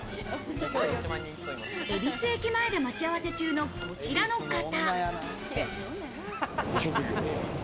恵比寿駅前で待ち合わせ中のこちらの方。